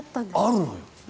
あるのよ。